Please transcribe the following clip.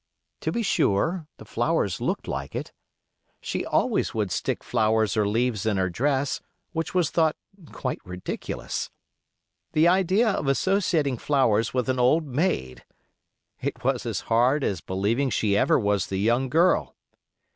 To be sure, the flowers looked like it. She always would stick flowers or leaves in her dress, which was thought quite ridiculous. The idea of associating flowers with an old maid! It was as hard as believing she ever was the young girl.